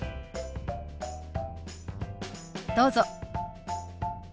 どうぞ。